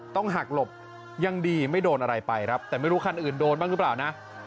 ต้องหักหลบยังดีไม่โดนอะไรไปครับแต่ไม่รู้คันอื่นโดนบ้างหรือเปล่านะ